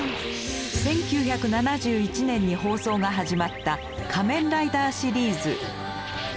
１９７１年に放送が始まった「仮面ライダー」シリーズ。